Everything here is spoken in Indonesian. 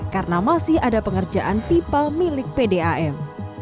karena masih ada pengerjaan tipal milik pdam